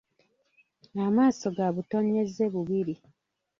Amaaso ga butonyeze bubiri.